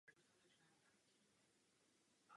Posledním kamenem úrazu byla konstrukce samotná.